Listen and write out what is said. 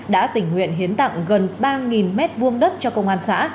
đã tỉnh huyện hiến tặng gần ba mét vuông đất cho công an xã